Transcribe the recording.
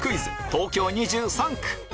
東京２３区」